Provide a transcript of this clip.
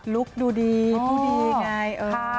ลุคดูดีดูดีไง